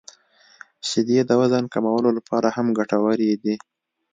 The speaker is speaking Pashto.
• شیدې د وزن کمولو لپاره هم ګټورې دي.